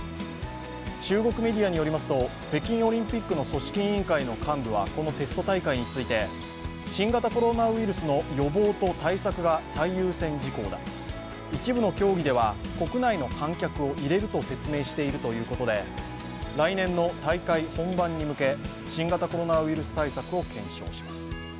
中国メディアによりますと北京オリンピックの組織委員会の幹部はこのテスト大会について新型コロナウイルスの予防と対策が最優先事項だ、一部の競技では国内の観客を入れると説明しているということで来年の大会本番に向け新型コロナウイルス対策を検証します。